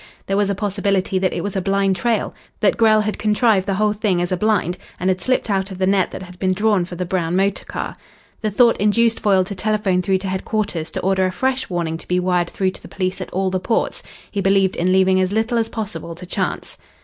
There was a possibility that it was a blind trail that Grell had contrived the whole thing as a blind, and had slipped out of the net that had been drawn for the brown motor car. The thought induced Foyle to telephone through to headquarters to order a fresh warning to be wired through to the police at all the ports. He believed in leaving as little as possible to chance.